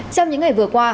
trong những ngày vừa qua